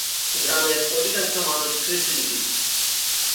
গ্রামের অধিকাংশ মানুষ কৃষিজীবী।